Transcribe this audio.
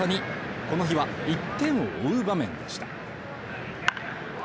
この日は１点を追う場面でした。